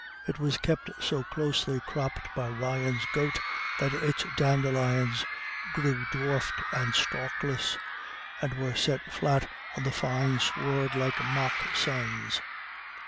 It was kept so closely cropped by the Ryans' goat that its dandelions grew dwarfed and stalkless, and were set flat in the fine sward like mock suns.